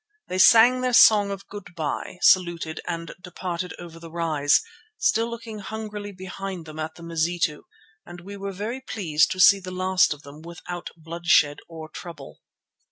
They sang their song of good bye, saluted and departed over the rise, still looking hungrily behind them at the Mazitu, and we were very pleased to see the last of them without bloodshed or trouble.